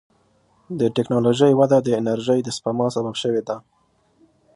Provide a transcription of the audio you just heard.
د ټکنالوجۍ وده د انرژۍ د سپما سبب شوې ده.